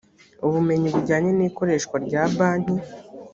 ubumenyi bujyanye n ikoreshwa rya banki